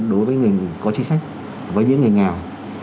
đối với người có chính sách với những người nghèo